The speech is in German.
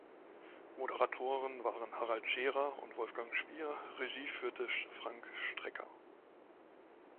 Moderatoren waren Harald Scheerer und Wolfgang Spier, Regie führte Frank Strecker.